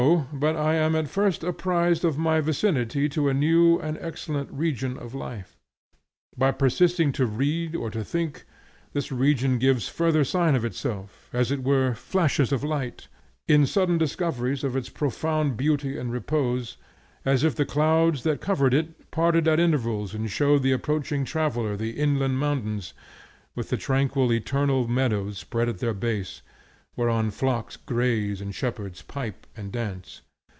but I am at first apprised of my vicinity to a new and excellent region of life. By persisting to read or to think, this region gives further sign of itself, as it were in flashes of light, in sudden discoveries of its profound beauty and repose, as if the clouds that covered it parted at intervals and showed the approaching traveller the inland mountains, with the tranquil eternal meadows spread at their base, whereon flocks graze and shepherds pipe and dance.